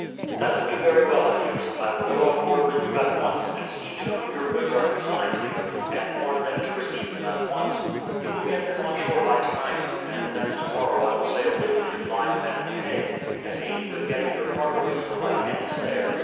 "That will do very well, Peters. I will go on board with you at once, and see to whom your goods are consigned here, and warn them to receive them at once. You will get them on shore by tonight, and then tomorrow I will sail with you to Leyden and the Hague, and aid you in getting your cargo into the right hands there.